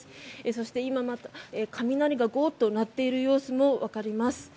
そして今、雷がゴーッとなっている様子もわかります。